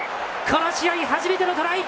この試合初めてのトライ！